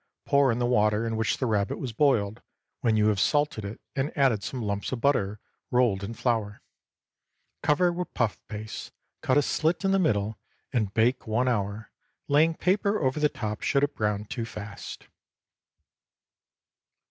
Pour in the water in which the rabbit was boiled, when you have salted it and added some lumps of butter rolled in flour. Cover with puff paste, cut a slit in the middle, and bake one hour, laying paper over the top should it brown too fast.